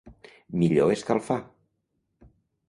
Millor escalfar.